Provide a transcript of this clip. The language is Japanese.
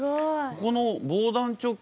この防弾チョッキ